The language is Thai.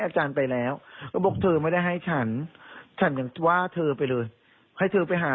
อาจารย์ไปแล้วก็บอกเธอไม่ได้ให้ฉันฉันยังว่าเธอไปเลยให้เธอไปหา